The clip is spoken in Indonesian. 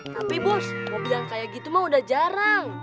tapi bos mobil yang kayak gitu mah udah jarang